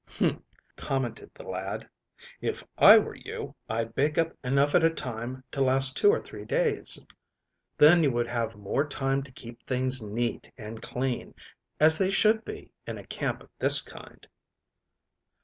"Humph," commented the lad. "If I were you, I'd bake up enough at a time to last two or three days. Then you would have more time to keep things neat and clean, as they should be in a camp of this kind."